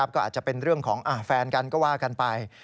ก็อาจจะเป็นเรื่องของแฟนกันก็ว่ากันไป